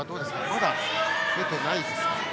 まだ出てないですか？